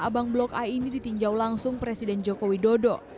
blok a ini ditinjau langsung presiden jokowi dodo